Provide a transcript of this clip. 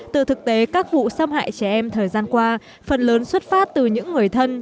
từ thực tế các vụ xâm hại trẻ em thời gian qua phần lớn xuất phát từ những người thân